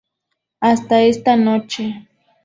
Hasta esta noche...